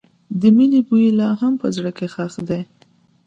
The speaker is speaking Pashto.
د مینې بوی لا هم په زړګي کې ښخ دی.